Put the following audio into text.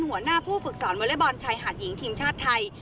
หัวหน้าผู้ฝึกสอนวอเล็กบอลชายหาดหญิงทีมชาติไทย